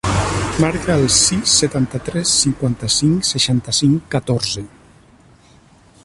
Marca el sis, setanta-tres, cinquanta-cinc, seixanta-cinc, catorze.